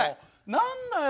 何だよ